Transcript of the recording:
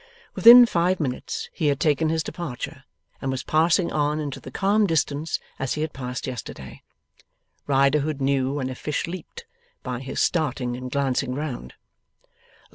Within five minutes he had taken his departure, and was passing on into the calm distance as he had passed yesterday. Riderhood knew when a fish leaped, by his starting and glancing round.